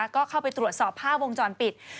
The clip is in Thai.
ก็เข้าไปตรวจสอบภาพวงจรปิด